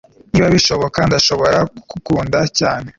niba bishoboka, ndashobora kugukunda cyane